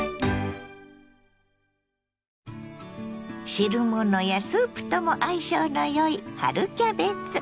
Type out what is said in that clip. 汁物やスープとも相性のよい春キャベツ。